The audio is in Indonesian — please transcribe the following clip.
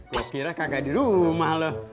kok kira kagak di rumah lo